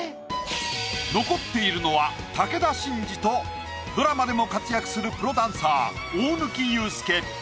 残っているのは武田真治とドラマでも活躍するプロダンサー大貫勇輔。